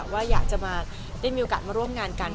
ว่าอยากจะมาได้มีโอกาสมาร่วมงานกัน